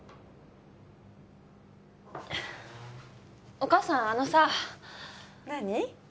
お母さんあのさなあに？